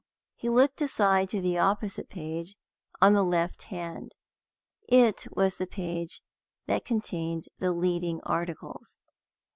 He looked aside to the opposite page, on the left hand. It was the page that contained the leading articles.